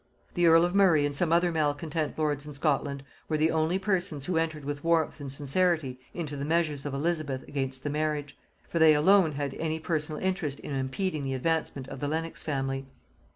The earl of Murray and some other malcontent lords in Scotland were the only persons who entered with warmth and sincerity into the measures of Elizabeth against the marriage; for they alone had any personal interest in impeding the advancement of the Lenox family.